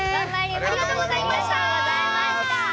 ありがとうございます。